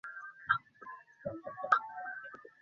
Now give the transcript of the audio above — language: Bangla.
যে কারণে কৃষকেরা বিপুল পরিমাণ আর্থিক ক্ষতির মুখে পড়েন।